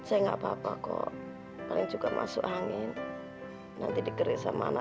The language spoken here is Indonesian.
jadi kamu tahu noraini ada dimana